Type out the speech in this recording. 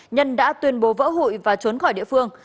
nhân đã tuyên bố vỡ hụi và trốn khỏi địa phương